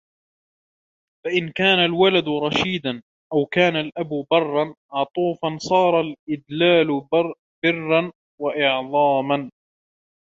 فَإِنْ كَانَ الْوَلَدُ رَشِيدًا أَوْ كَانَ الْأَبُ بَرًّا عَطُوفًا صَارَ الْإِدْلَالُ بِرًّا وَإِعْظَامًا